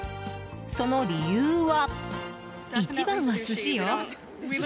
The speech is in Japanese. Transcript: その理由は。